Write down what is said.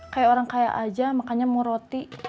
kayak orang kaya aja makanya mau roti